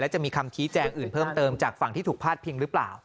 จะมีคำชี้แจงอื่นเพิ่มเติมจากฝั่งที่ถูกพาดพิงหรือเปล่า